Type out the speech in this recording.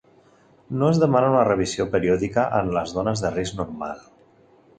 No es demana una revisió periòdica en les dones de risc normal.